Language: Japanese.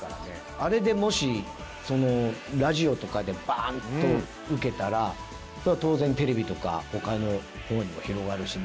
あれでもしラジオとかでバーンとウケたらそれは当然テレビとか他の方にも広がるしね。